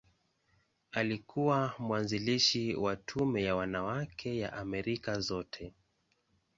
Alikuwa mwanzilishi wa Tume ya Wanawake ya Amerika Zote.